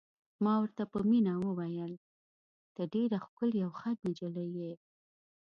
ما ورته په مینه وویل: ته ډېره ښکلې او ښه نجلۍ یې.